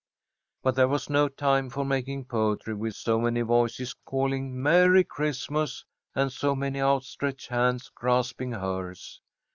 But there was no time for making poetry, with so many voices calling "Merry Christmas," and so many outstretched hands grasping hers.